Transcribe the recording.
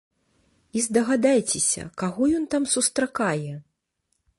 І здагадайцеся, каго ён там сустракае?